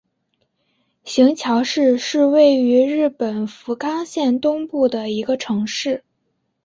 行桥市是位于日本福冈县东部的一个城市。